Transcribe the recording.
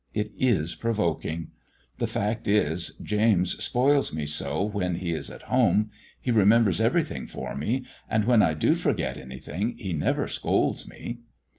It is provoking! The fact is, James spoils me so when he is at home. He remembers everything for me, and when I do forget anything he never scolds me."